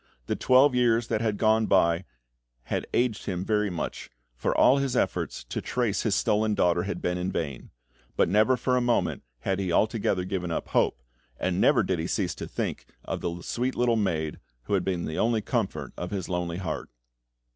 The twelve years that had gone by had aged him very much, for all his efforts to trace his stolen daughter had been in vain; but never for a moment had he altogether given up hope, and never did he cease to think of the sweet little maid who had been the only comfort of his lonely heart.